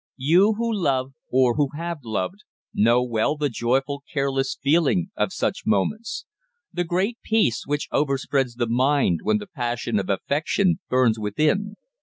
You who love, or who have loved, know well the joyful, careless feeling of such moments; the great peace which overspreads the mind when the passion of affection burns within.